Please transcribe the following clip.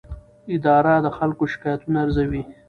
اداره د خلکو شکایتونه ارزوي.